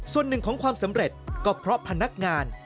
ส่วนหนึ่งของความสำเร็จก็เพราะพนักงาน